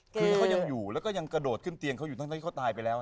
คือถ้าเขายังอยู่แล้วก็ยังกระโดดขึ้นเตียงเขาอยู่ทั้งที่เขาตายไปแล้ว